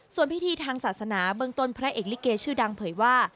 ส่วนพิธีทางศาสนาเบื้องต้นพระเอกลิเกชื่อดังเผยว่า